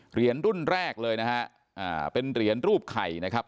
เหรียญรุ่นแรกเลยนะฮะเป็นเหรียญรูปไข่นะครับ